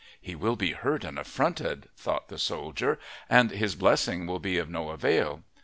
"He will be hurt and affronted," thought the soldier, "and his blessing will be of no avail."